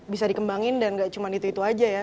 bisa dikembangin dan gak cuma itu itu aja ya